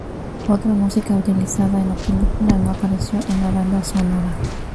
Otra música utilizada en la película no apareció en la banda sonora.